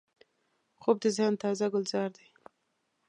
خوب د ذهن تازه ګلزار دی